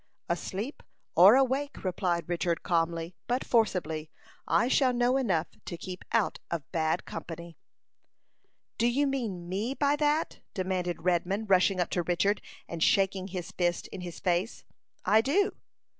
"Asleep or awake," replied Richard, calmly, but forcibly, "I shall know enough to keep out of bad company." "Do you mean me by that?" demanded Redman, rushing up to Richard, and shaking his fist in his face. "I do."